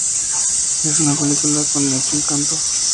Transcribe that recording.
Es una película con mucho encanto.